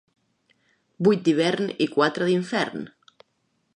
Vuit d'hivern i quatre d'infern.